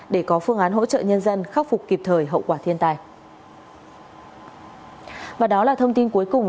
để có phương án hỗ trợ nhân dân khắc phục kịp thời hậu quả thiên tai